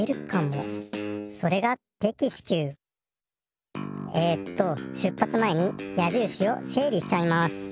それがえっと出ぱつ前にやじるしをせい理しちゃいます。